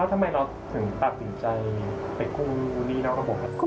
ทำไมเราถึงตัดสินใจไปกู้หนี้นอกระบบ